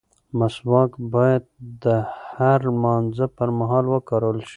مسواک باید د هر لمانځه پر مهال وکارول شي.